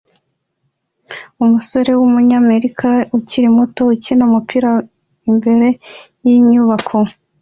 Umusore wumunyamerika ukiri muto ukina umupira imbere yinyubako